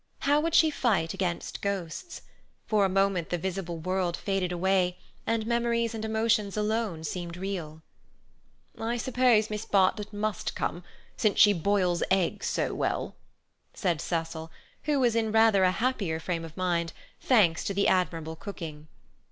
How would she fight against ghosts? For a moment the visible world faded away, and memories and emotions alone seemed real. "I suppose Miss Bartlett must come, since she boils eggs so well," said Cecil, who was in rather a happier frame of mind, thanks to the admirable cooking.